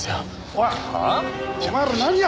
おい！